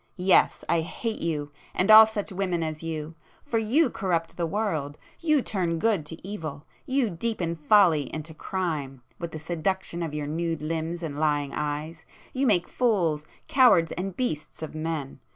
Yes—I hate you, and all such women as you! For you corrupt the world,—you turn good to evil,—you deepen folly into crime,—with the seduction of your nude limbs and lying eyes, you make fools, cowards and beasts of men!